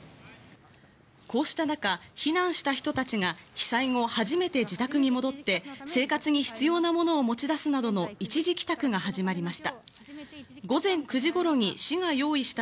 こうした中、避難した人たちが被災後、初めて自宅に戻って生活に必要なものを持ち出すなどの一時帰宅が始まりました。